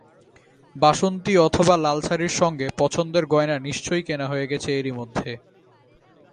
বাসন্তী অথবা লাল শাড়ির সঙ্গে পছন্দের গয়না নিশ্চয়ই কেনা হয়ে গেছে এরই মধ্যে।